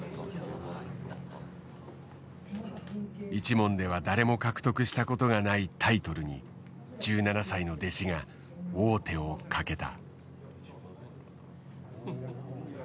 一門では誰も獲得したことがないタイトルに１７歳の弟子が王手をかけた。